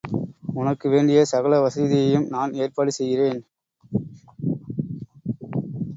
உனக்கு வேண்டிய சகல வசதியையும் நான் ஏற்பாடு செய்கிறேன்.